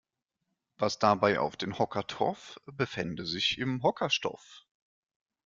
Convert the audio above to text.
Was dabei auf den Hocker troff befände sich im Hockerstoff.